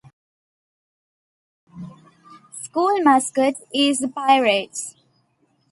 School mascot is the Pirates.